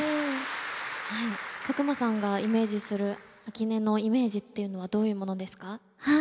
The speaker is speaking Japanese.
加隈さんがイメージする秋音のイメージっていうのはどういうものですか？